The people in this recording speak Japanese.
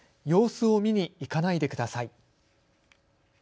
様子を見に行かないでください。